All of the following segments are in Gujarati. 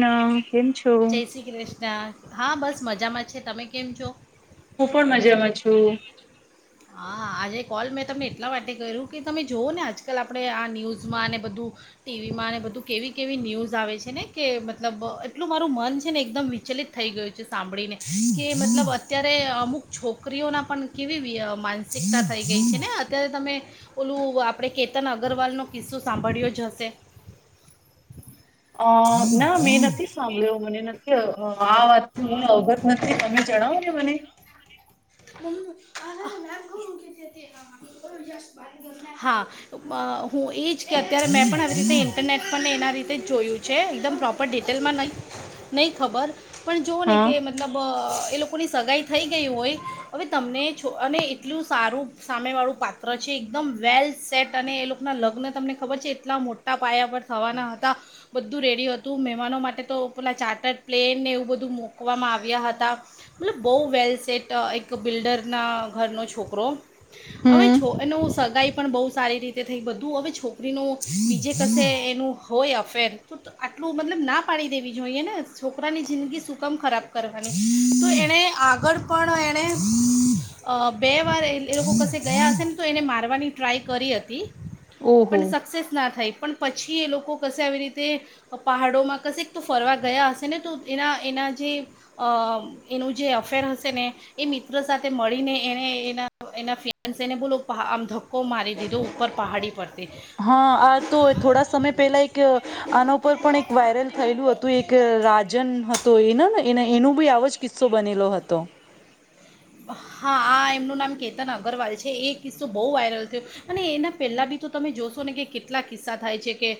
નમ કેમ છો? જય શ્રી કૃષ્ણ હા બસ મજામાં છે તમે કેમ છો? હું પણ મજામાં છું. હા. આજે કોલ મેં તમને એટલા માટે કર્યું કે તમે જુઓ ને આજકાલ આપડે આ ન્યૂઝમાં અને બધું ટીવી માં બધું કેવી કેવી ન્યૂઝ આવે છે ને કે મતલબ એટલું મારું મન છે ને એકદમ વિચલિત થઈ ગયું છે સાંભળીને કે મતલબ અત્યારે અમુક છોકરીઓના પણ કેવી વિય માનસિકતા થઈ ગઈ છે ને અત્યારે તમે ઓલું આપણે કેતન અગરવાલનો કિસ્સો સાંભળ્યો જ હશે અ ના મેં નથી સાંભળ્યો મને નથી આ વાતને હું અવગત નથી તમે જણાવો ને મને હા. હું એજ કે અત્યારે મેં પણ આવી રીતે ઇન્ટરનેટ પણ એના રીતે જોયું છે એકદમ પ્રોપર ડિટેલમાં નહીં નહીં ખબર પણ જોઓ ને હા કે મતલબ એ લોકોની સગાઈ થઈ ગઈ હોય હવે તમને એ છો અને એટલું સારું સામેવાળું પાત્ર છે એકદમ વેલસેટ અને એ લોક ના લગ્ન તમને ખબર છે એટલા મોટા પાયા પર થવાના હતા. બધું રેડી હતું મહેમાનો માટે તો પેલા ચાર્ટર્ડ પ્લેનને એવું બધું મુકવામાં આવ્યા હતા. મતલબ બહુ વેલસેટ અ એક બિલ્ડરના ઘરનો છોકરો. હવે હમ છો એનું સગાઈ પણ બહુ સારી રીતે થઈ બધું હવે છોકરીનું બીજે કસે એનું હોય અફેર તો આટલું મતલબ ના પાડી દેવી જોઈએ ને છોકરાની જિંદગી સુકમ ખરાબ કરવા ની તો એને આગળ પણ એને અ બે વાર એ લોકો કસે ગયા હશે ને તો એને મારવાની ટ્રાય કરી હતી. ઓહો પણ સક્સેસ ના થાય પણ પછી એ લોકો કશે આવી રીતે પહાડોમાં કશેક તો ફરવા ગયા હશે ને તો એના એના જે અ એનું જે અફેર હશે ને. એ મિત્ર સાથે મળીને એણે એના એના ફ્રિયાન્સ એને બોલો આમ ધક્કો મારી દીધો ઉપર પહાડી પરથી. હા, આ તો થોડા સમય પહેલા એક આના ઉપર પણ એક વાયરલ થયેલું હતું એક રાજન હતો એને ને એ એનું બી આવુજ કિસ્સો બનેલો હતો. હા, આ એમનું નામ કેતન અગ્રવાલ છે, એ કિસ્સો બહુ વાયરલ થ્યો. અને એના પહેલા બી તો તમે જોશો ને કે કેટલા કિસ્સા થાય છે કે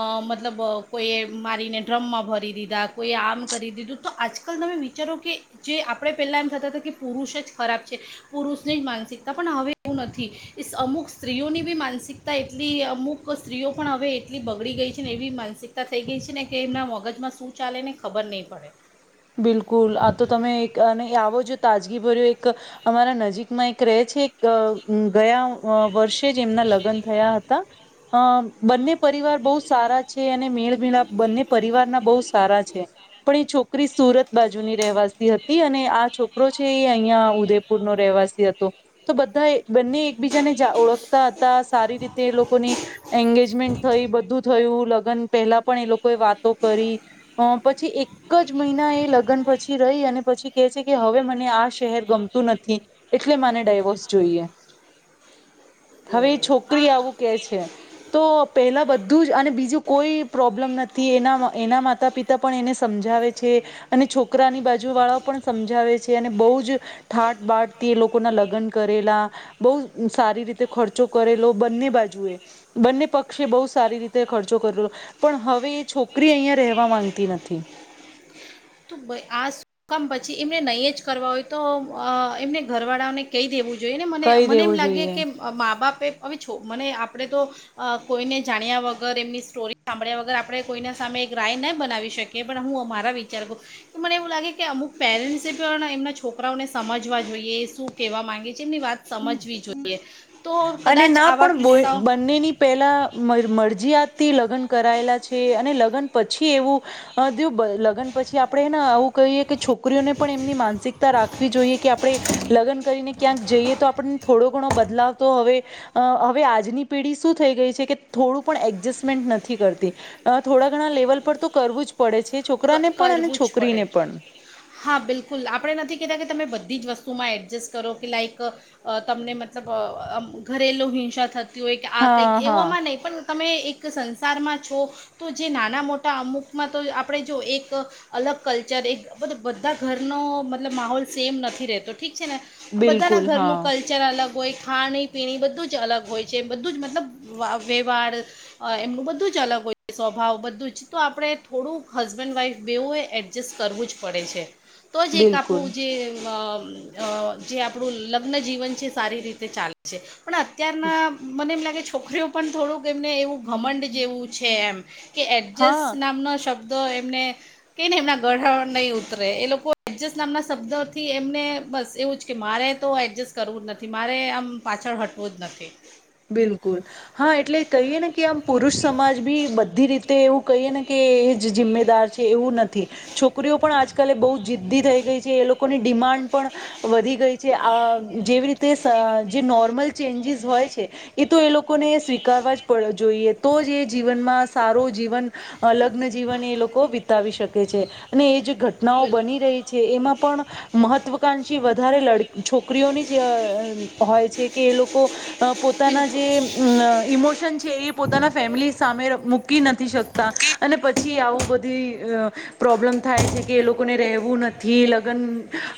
અ મતલબ કોઈએ મારીને ડ્રમમાં ભરી દીધા કોઈ આમ કરી દીધું તો આજકાલ તમે વી ચારો કે જે આપણે પહેલાં એમ થતા હતા કે પુરુષ જ ખરાબ છે. પુરુષની જ માનસિકતા પણ હવે એવું નથી. ઇ અમુક સ્ત્રીઓની બી માનસિકતા એટલી અમુક સ્ત્રીઓ પણ હવે એટલી બગડી ગઈ છે ને એવી માનસિક તા થઈ ગઈ છે ને કે એમના મગજમાં શું ચાલે ને ખબર નહીં પડે. બિલકુલ આ તો તમે એક અને આવો જો તાજગી ભર્યો એક અમારા નજીકમાં એક રે છે ગ અ ગયા અ વર્ષે કે જેમના લગન થયા હતા. અમ બંને પરિવાર બહુ સારા છે અને મેળમીળા બંને પરિવારના બહુ સારા છે. પણ એ છોક કરી સુરત બાજુની રહેવાસી હતી અને આ છોકરો છે એ અહિયાં ઉદયપુર નો રહેવાસી હતો. તો બધા એ બંને એકબીજાને ઓળખતા હતા સારી રીતે લોકોની એંગેજમેન્ટ થઈ બધું થયું લગન પહેલા પણ એ લોકોએ વાતો કરી. અ પછી એક ક જ મહિના એ લગન પછી રહી અને પછી કે છે કે હવે મને આ શહેર ગમતું નથી. એટલે માને ડાયવોર્સ જોઈએ, ઓ હવે એ છોકરી આ આવું કે છે. તો પહેલા બધું જ અને બીજું કોઈ પ્રોબ્લમ નતી, એના એના માતા પિતા પણ એને સમજ સમજાવે છે અને છોકરાની બાજુ વાળાઓ પણ સમજાવે છે અને બહુ જ ઠાટ બાટ થી એ લોકો ના લગન કરેલા બઉ સારી રીતે ખર્ચો કરેલો બંને બાજુએ. બંને પક્ષે બહુ સારી રીતે ખર્ચો કર્યો. પણ હવે એ છોકરી અહિયાં રહેવા માંગતી નથી. તો આ શું કામ પછી એમને નહીં જ કરવા હોય તો અ એમને ઘરવાળાઓને કહી દેવું જોઈએ ને મને કહી મને એમ દેવું લાગે જોઈએ. કે મા બાપે હવે છો મને આપણે તો અ કોઈને જાણ્યા વગર એમની સ્ટોરી સાંભળ્યા વગર આપડે કોઈના સામે એક રાય ન બનાવી શક કે પણ હું અમારા વિચારો તો મને એવું લાગે કે અમુક પેરેન્ટસે પણ એમના છોકરાઓને સમજવા જોઈએ શું કહેવા માંગે છે એમની વાત સમજવી જોઈએ તો કદાચ આવા કિસ્સા પહેલાં મર મરજીયાતથી લગ્ન કરાયેલા છે અને લગ્ન પછી એવું અ દયો લગન પછી આપડે હેન આવું. કઈ એ કે છોકરીઓને પણ એમની માનસિકતા રાખવી જોઈએ કે આપડે લગન કરીને. ક્યાંક જઈએ તો આપણને થોડો ઘણો બદલાવ. તો હવે હવે આજની પેઢી શું થઈ ગઈ છે કે થોડું પણ એડજસ્ટમેન્ટ નથી કરતી થોડા ઘણા લેવલ પર તો કરવું જ પડે છે ક- છોકરાને પણ અને કરવું જ પડે છોકરીને પણ હા બિલકુલ આપણે નથી કહેતા કે તમે બધી જ વસ્તુમાં એડજસ્ટ કરો કે લાઈક તમને મતલબ ઘરેલું હિંસા થતી હોય કે આ હા કંઈક હા એવામાં નહીં પણ તમે એક સંસારમાં છો તો જે નાના મોટા અમુકમાં તો આપણે જો એક તો અલગ કલ્ચર એ બધ બધા ઘરનો મતલબ માહોલ સેમ નથી રહેતો ઠીક છે ને. બધા ના બિલકુલ હા ઘરનું કલ્. કલ્ચર અલગ હોય ખાણી પીણી બધું જ અલગ હોય છે બધું જ મતલબ વ્યવહાર. એમનું બધું જ અલગ હોય સ્વભાવ બધું જ તો આપડણે થોડુંક હસબેન્ડ વાઈફ બેઉ એ એડજસ્ટ કરવું જ પડે છે તો જ એક બિલકુલ આપણું જે અ. અ જે આપડું લગ્ન જીવન છે સારી રીતે ચાલે. પણ અત્યારના મને એમ લાગે. છોકરીઓ પણ થોડુંક એમને એવું ઘમંડ જેવું છે એમ કે હા એડજસ્ટ નામનો શબ્દ. તો એમને. કેને એમના ગઢે નહી ઉતરે એ લોકો એજ નામ ના શબ્દો થી એમને બસ એવુંજ. કે મારે તો એડજસ્ટ કરવું જ નથી મારે આમ પાછળ હટવું જ નથી. બિલકુલ. હા એટલે કહીએ ને કે આમ પુરુષ સમાજ બી બધી રીતે એવું કહીએ ને કે એ જ જિમ્મેદાર છે. એવું નથી છોકરીઓ પણ આજકાલે બહુ જી. જીધી થઈ ગઈ છે એ લોકોની ડિમાન્ડ પણ વધી ગઈ છે આ જેવી રીત. તે સ જે નોર્મલ ચેન્જીસ હોય છે. એ તો એ લોકોને સ્વીકારવા જ પડે જોઈએ તો જ એ જીવનમાં સારો જીવન. લગ્ન જીવન એ લોકો વિતાવી શકે છે અને એ જે ઘટનાઓ બની બિલકુલ રહી. છે એમાં પણ મહત્વકાંક્ષી વધારે લ છોકરીઓની જે હોય છે કે એ લોકો પોતાના જે. બિલકુલ ઈમોશન છે એ પોતાના ફેમિલી સામે મૂકી નથી શકતા અને પછી આવું બધી. પ્રોબ્લેમ થાય છે કે એ લોકોને રહેવું નથી લગ્ન‌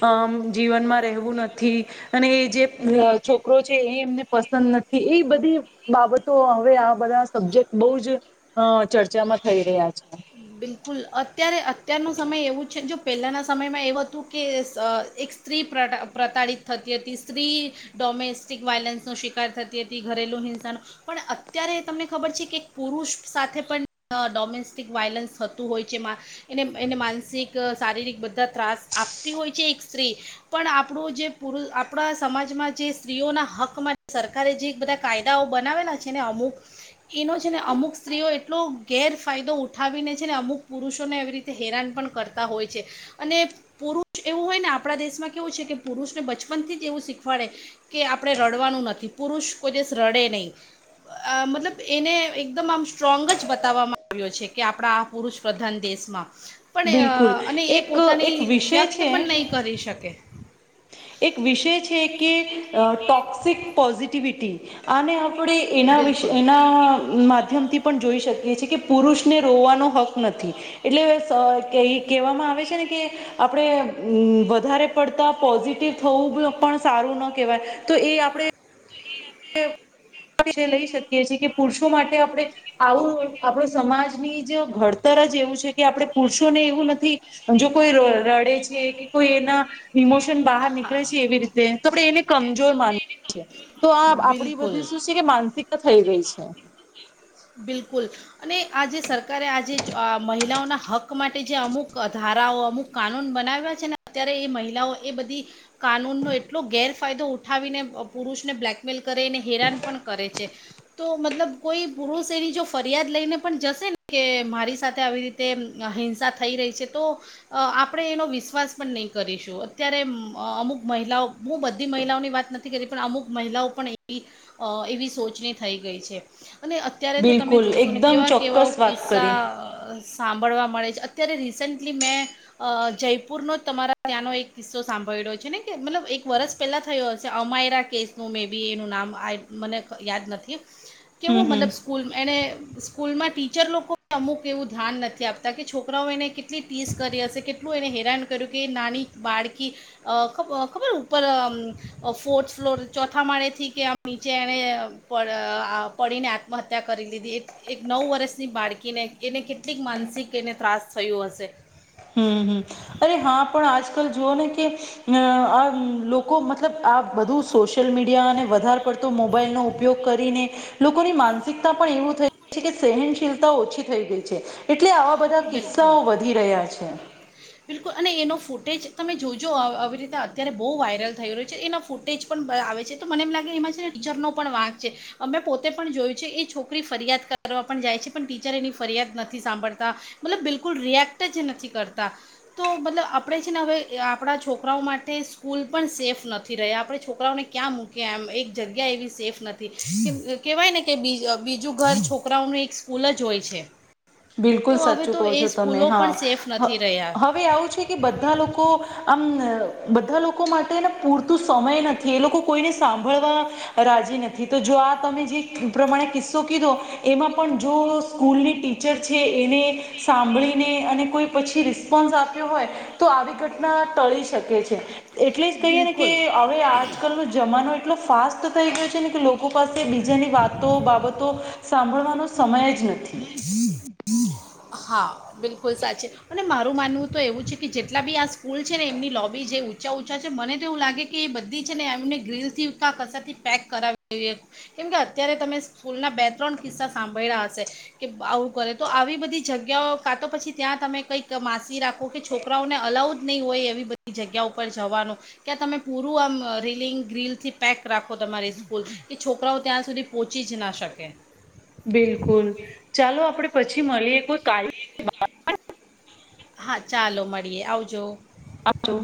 અ જીવનમાં રહેવું નથી. અને એ જે અ છોકરો છે એ એમને પ. પસંદ નથી એ બધી બાબતો હવે આ બધા સબ્જેક્ટ બહુ જ. હ ચર્ચામાં થઈ રહ્યા છે. બિલકુલ અત્યારે અત્યારનો સમય એવો છે જો. પહેલાંના સમયમાં એવું હતું કે એક સ્ત્રી પ્ર પ્રતાડિત થતી હતી સ્ત્રી. ડોમેસ્ટિક વાયલન્સનો શિકાર થતી હતી ઘરેલુ હિંસાનો પણ અત્યારે તમને ખબર છે કે એક પુરુષ સાથે પણ‌ અ ડોમેસ્ટિક વાયલન્સ હતો. હોય છે એને માનસિક શારીરિક બધા ત્રાસ આપતી હોય છે એક સ્ત્રી. પણ આપણું જે પુરુ આપણા સમાજમાં જે સ્ત્રીઓના હક્કમાં સરકારે જે બધા. કાયદાઓ બનાવેલા છે ને અમુક. એનો છે ને અમુક સ્ત્રીઓ એટલો ગેરફાયદો ઉઠાવીને. છે ને અમુક પુરુષોને એવી રીતે હેરાન પણ કરતા હોય છે. અને પુરુષ એવું હોય ને આપણા દેશમાં કેવું છે કે પુરુષને બચપનથી જ એવું શીખવાડે. કે આપણે રડવાનું નથી પુરુષ કોઈ દિવસ રડે નહીં. અ મતલબ એને એકદમ આમ સ્ટ્રોંગ જ બતાવવામાં આવ્યો છે કે આપણા પુરુષ પ્રધાન દેશમાં. પણ બિલકુલ અને એ એક પોતાની એક વિષય વ્યક્ત છે પણ નહીં કરી શકે. એક વિષય છે કે અ ટોક્સિક પોઝિટિવિટી. અને આપણે એના વિશે બિલકુલ એના માધ્યમથી. પણ જોઈ શકીએ છીએ કે પુરુષને રોવાનો હક નથી. એટલે કહેવામાં આવે છે ને કે, આપણેેમ વધારે પડતા પોઝિટિવ થવું પણ સારું ન કહેવાય, તો એ આપણે [unintelligible] આપ એ લઈ શકીએ છીએ કે પુરુષો માટે આપણે આવું આપણો સમાજની જ ઘડતર જ એવું છે કે આપણે પુરુષોને એવું નથી. જો કોઈ ર રડે છે કે કોઈ એના. ઇમોશન બહાર નીકળે હા છે એવી રીતે તો આપણેે એને કમજોર માએ છી છે, તો આ આપડી બિલકુલ બધી શું છે કે માનસિક થઈ ગઈ છે. બિલકુલ. અને આ જેે સરકારે આજે મહિલાઓના હક્ક માટે જે અમુક ધારાઓ અમુક કાનૂન બનાવ્યા છે ને અત્યારે એ મહિલાઓ એ બધી કાનૂનનો એટલો ગેરફાયદો ઉઠાવીને અહ પુરુષને બ્લેક મેલ કરે ને હેરાન પણ કરે છે. તો મતલબ કોઈ પુરુષ એની જો ફરિયાદ લઈને પણ જશે ને કે મારી સાથે આવી રીતે અહ હિંસા થઈ રહી છે તો અહ આપડે એનો વિશ્વાસ પણ નહી કરીશું અત્યારે અહ અમુક મહિલાઓ હું બધી મહિલાઓની વાત નથ થી કરી પણ અમુક મહિલાઓ પણ એવી અહ એવી સોચની થઈ ગઈ છે અને અ અત્યારે તો તમે બિલકુલ જોશો ને એકદમ કેવા કેવાઓ ચોક્કસ વાત કિસ્સા કરી સાંભળવા મળે છે અત્યારે રિસેન્ટલી મેં અહ જયપુર નો તમારા ત્યાંનો એક કિસ્સો સાંભળ્યો છે ને કે મતલબ એક વર્ષ પેલા થયો હશે અમાયરા કેસનું મે બી એનું નામ આ મને યાદ નથી. હમ કેવું હમ મતલબ સ્કૂલ એને સ્કૂલમાં ટીચર લોકો અમુક એવું ધ્યાન નથી આપતા કે છોકરાઓ એને કે ટલી ટીસ કરી હશે કેટલું એને હેરાન કર્યું કે એ નાની બાળકી અહ ખબ-ખબર ઉપર અમ્મ ફોર્થ ફ્લોર ચોથા માળે થી કે આ નીચે એવે અહ પડ અહ પડીને આત્મહત્યા કરી લીધી એ એક નવ વર્ષની બાળકીને એને કેટલીક માનસિક એને ત્રાસ થયો હશે. હમ્મ, હમ્મ. અરે હા પણ આજકાલ જોઓ ને કે નેહ આ લોકો મતલબ આ બધું શોષ શિયલ મીડિયા અનેને વધાર પડતો મોબાઈલનો ઉપયોગ કરીને લોકોની માનસિકતા પણ એવું થઈ છે કે સહનશીલતા ઓછી થઈ ગઈ છે. એટલે આવા બધા બિલકુલ કિસ્સાઓ વધી રહ્યા છે. બિલકુલ અને એનો ફૂટેજ તમે જોજો આવી રીતે અત્યારે બહુ વાયરલ થઈ રહ્યો છે એના ફૂ ટેજ પણ આવે છે તો મને એમ લાગે એમાં છે ને ટીચરનો પણ વાંક છે અમે પોતે પણ જોયું છે એ છોકરી ફરિયાદ કરવા પણ જાય છે પણ ટીચર એની ફરિયાદ નથી સાંભળતી. મતલબ બિલકુલ રિએક્ટ જ નથી કરતા. તો મતલબ આપણે છે ને હવે આપણા છોકરાઓ માટે સ્કૂલ પણ સેફ નથી રહ્યા આપણે છોકરાઓને ક્યાં મૂકે એમ એક જગ્યા એવી સેફ નથી, કેહેવાય ને કે બીજું ઘર છોકરાઓનું એક ફૂલ જ હોય છે. બિલકુલ તો હવે સાચું તો કહો એ છો તમે સ્કૂલો પણ હા, સેફ નથી રહ્યા હવે આવું છે. કે બધા લોકો આમ, બધા લોકો માટે પૂરતું સમય નથી. એ લોકો કોઈને સાંભળવા રાજી નથી તો જો આ તમે જે પ્રમાણે કિસ્સો કીધો, એમાં પણ જો સ્કૂલની ટ ટીચર છે એને સાંભળીને અને કોઈ પછી રિસ્પોન્સ આપ્યો હોય, તો આવી ઘટના ટળી શકે છે. એટલે જ કહીએ ને કે બિલકુલ હવે આજકાલનો જમાનો એટલો ફાસ્ટ થઈ ગયો છે ને કે લોકો પાસે બીજાની વાતો બાબતો, સાંભળવાનો સમય જ નથી. હા બિલકુલ સાચી. અને મારું માનવું તો એવું છે કે જેટલા બી આ સ્કૂલ છે ને એમની લોબી જે ઊંચા છા છે મને તો એવું લાગે એ બધી છે ને એમને ગ્રીલ થી ક કસથી પેક કરાવ [inaudible] કેમ કે અત્યારે તમે સ્કૂલના બે ત્રણ કિસ્સા સાંભળ્યા હશે. કે આવું કરે તો આવી બધી જગ્યાઓ કા તો પછી ત્યાં તમે કઈક માસી રાખો કે છોકરાઓને અલાઉ જ નહીં હોય એવી બધા જગ્યા ઉપર જવાનું, ક્યા તમે પૂરું આમ રિલિંગ ગ્રીલ થી પેક રાખો તમારી સ્કૂલ કે છોકરાઓ ત્યાં સુધી પહોંચી જ ના શકે. બિલકુલ, ચાલો આપડે પછી મળીએ કોઈ ક- હા ચાલો મળીએ આવજો. આવજો.